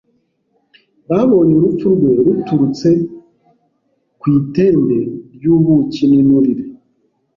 Babonye urupfu rwe ruturutse ku itende ry’ubuki n’inturire